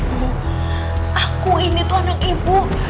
hmm aku ini tuh anak ibu